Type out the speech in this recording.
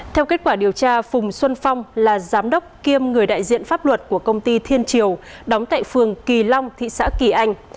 theo kết quả điều tra phùng xuân phong là giám đốc kiêm người đại diện pháp luật của công ty thiên triều đóng tại phường kỳ long thị xã kỳ anh